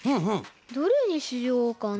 どれにしようかな。